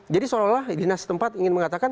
jadi seolah olah dinas setempat ingin mengatakan